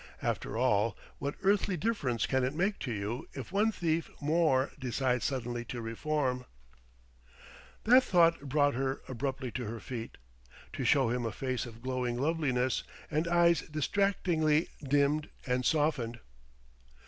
After all, what earthly difference can it make to you if one thief more decides suddenly to reform?" That brought her abruptly to her feet, to show him a face of glowing loveliness and eyes distractingly dimmed and softened.